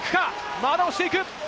まだ押していく！